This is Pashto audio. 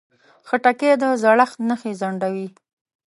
خټکی د زړښت نښې ځنډوي.